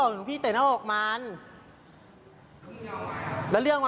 ไม่ถูกยังไงคะ